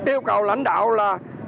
yêu cầu lãnh đạo là